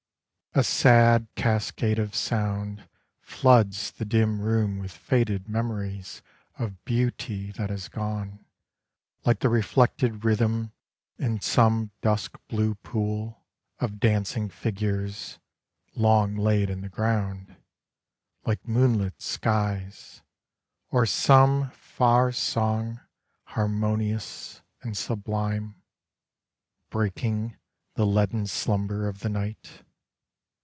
A sad cascade of sound Floods the dim room with faded memories of beauty that has gone Like the reflected rhythm in some dusk blue pool, of dancing figures (long laid in the ground) ;— Like moonlit skies Or some far song harmonious and sublime — Breaking the leaden slumber of the night.